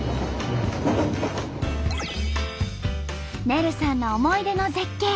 ねるさんの思い出の絶景。